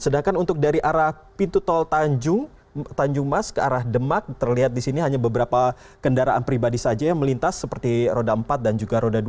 sedangkan untuk dari arah pintu tol tanjung mas ke arah demak terlihat di sini hanya beberapa kendaraan pribadi saja yang melintas seperti roda empat dan juga roda dua